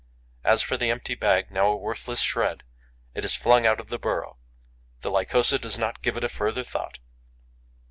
As for the empty bag, now a worthless shred, it is flung out of the burrow; the Lycosa does not give it a further thought.